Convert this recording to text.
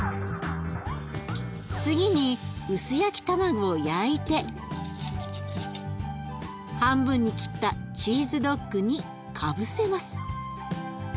次に薄焼き卵を焼いて半分に切ったチーズドックにかぶせます。